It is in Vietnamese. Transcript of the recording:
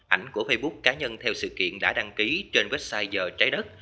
ảnh của facebook cá nhân theo sự kiện đã đăng ký trên website giờ trái đất